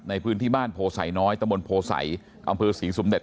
ในพื้นที่บ้านโพศัยน้อยตะบลโพศัยอำพื้นศรีสุมเด็จ